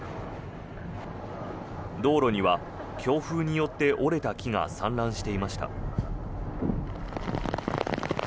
道路には強風によって折れた木が散乱していました。